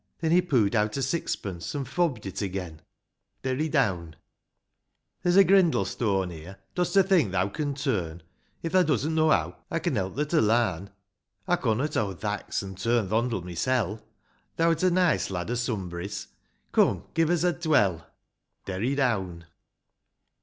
" Then he poo'd out a sixpence, — an' fobbed it again. Derry down. VI. "There's a grindlestone here — dosto think thou can turn ; If thou does'nt know how, I can help tho to lam, I connot howd th' axe an' turn th' hondle mysel' ; Thourt a nice lad o' somebry's — come, give us a twell !" Derry down.